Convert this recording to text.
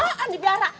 kok blon dipiara